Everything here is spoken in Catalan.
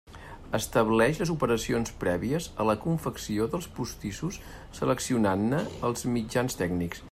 Estableix les operacions prèvies a la confecció dels postissos seleccionant-ne els mitjans tècnics.